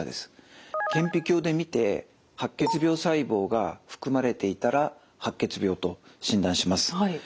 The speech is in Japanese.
顕微鏡で見て白血病細胞が含まれていたら白血病と診断します。